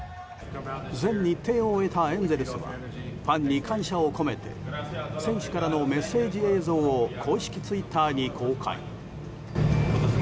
全日程を終えたエンゼルスはファンに感謝を込めて選手からのメッセージ映像を公式ツイッターに公開。